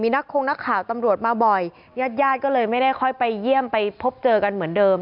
นักคงนักข่าวตำรวจมาบ่อยญาติญาติก็เลยไม่ได้ค่อยไปเยี่ยมไปพบเจอกันเหมือนเดิม